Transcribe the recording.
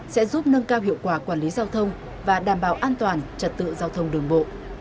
sẽ giúp nâng cao hiệu quả quản lý giao thông và đảm bảo an toàn trật tự giao thông đường bộ